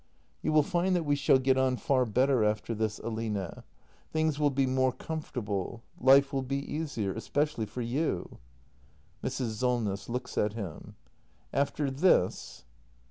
] You will find that we shall get on far better after this, Aline. Things will be more comfortable. Life will be easier — especially for you. Mrs. Solness. [Looks at him.] After this